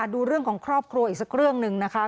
ดูเรื่องของครอบครัวอีกสักเรื่องหนึ่งนะคะ